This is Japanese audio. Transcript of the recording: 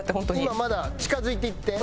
今まだ近付いていって。